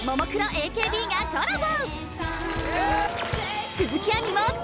ＡＫＢがコラボ！